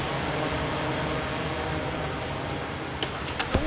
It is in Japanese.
お！